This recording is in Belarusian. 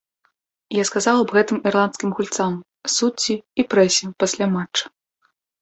Я сказаў аб гэтым ірландскім гульцам, суддзі і прэсе пасля матча.